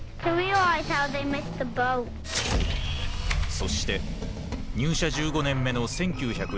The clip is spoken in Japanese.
そして入社１５年目の１９６０年。